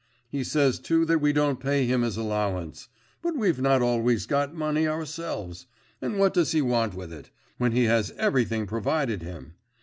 He says too that we don't pay him his allowance. But we've not always got money ourselves; and what does he want with it, when he has everything provided him?